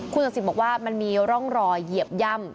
ศักดิ์สิทธิ์บอกว่ามันมีร่องรอยเหยียบย่ำ